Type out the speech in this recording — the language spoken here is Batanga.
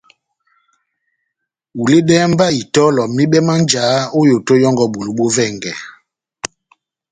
Huledɛhɛ mba itɔlɔ mibɛ má njáhá ó yoto yɔ́ngɔ bulu bó vɛngɛ.